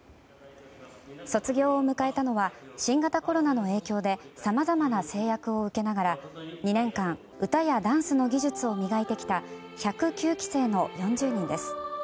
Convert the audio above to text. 卒業を迎えたのは新型コロナの影響でさまざまな制約を受けながら２年間、歌やダンスの技術を磨いてきた１０９期生の４０人です。